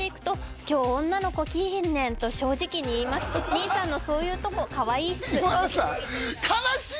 兄さんのそういうとこかわいいっす今田さん